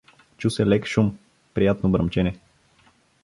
Чу се лек шум, приятно бръмчене.